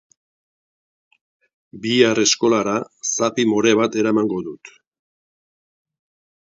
Bihar, eskolara, zapi more bat eramango dut.